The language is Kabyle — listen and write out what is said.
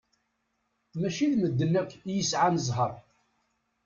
Mačči d medden akk i yesɛan zzher.